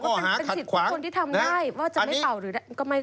เป็นสิทธิ์ที่คนที่ทำได้ว่าจะไม่เป่าหรือไม่ก็ได้